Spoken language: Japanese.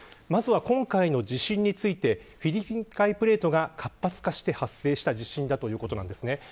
今回の地震についてフィリピン海プレートが活発化して発生した地震だったということなんですね。